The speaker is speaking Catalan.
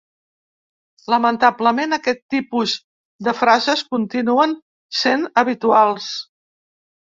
Lamentablement, aquest tipus de frases continuen sent habituals.